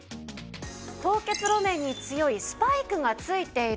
凍結路面に強いスパイクが付いているんです。